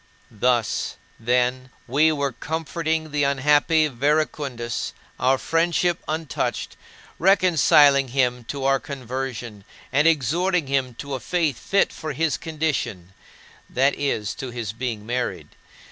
Thus, then, we were comforting the unhappy Verecundus our friendship untouched reconciling him to our conversion and exhorting him to a faith fit for his condition (that is, to his being married).